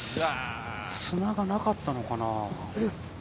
砂がなかったのかな？